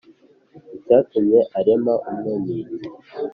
Icyatumye arema umwe ni iki?